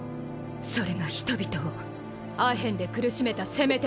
それが人々をアヘンで苦しめたせめてもの償い。